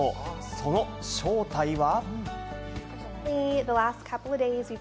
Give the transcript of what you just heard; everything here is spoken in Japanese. その正体は。